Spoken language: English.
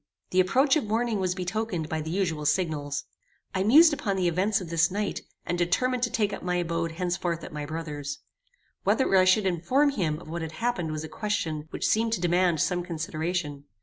The approach of morning was betokened by the usual signals. I mused upon the events of this night, and determined to take up my abode henceforth at my brother's. Whether I should inform him of what had happened was a question which seemed to demand some consideration.